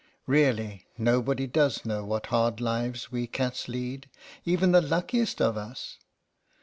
Really, nobody does know what hard lives we cats lead, even the luckiest of us!